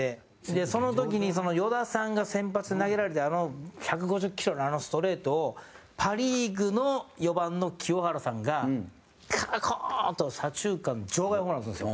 その時に、与田さんが先発で投げられてあの１５０キロのストレートをパ・リーグの４番の清原さんがカコーン！と、左中間場外ホームランを打つんですよ。